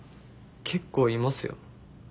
結構いますよ。